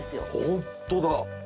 ホントだ！